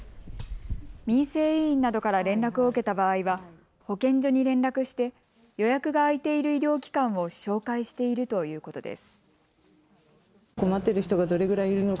民生委員などから連絡を受けた場合は保健所に連絡して予約が空いている医療機関を紹介しているということです。